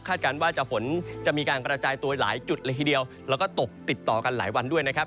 การว่าฝนจะมีการกระจายตัวหลายจุดเลยทีเดียวแล้วก็ตกติดต่อกันหลายวันด้วยนะครับ